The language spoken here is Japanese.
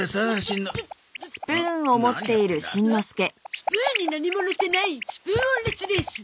スプーンに何ものせないスプーン・オンレス・レース。